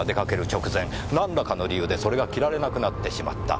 直前何らかの理由でそれが着られなくなってしまった。